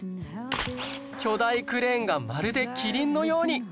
巨大クレーンがまるでキリンのように！